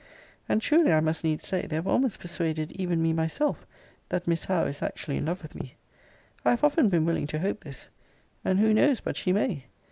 And, truly, I must needs say, they have almost persuaded even me myself, that Miss Howe is actually in love with me. I have often been willing to hope this. And who knows but she may?